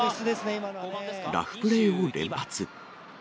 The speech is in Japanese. ラフプレーを連発。